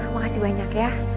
makasih banyak ya